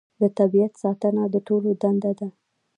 د طبیعت ساتنه د ټولو دنده ده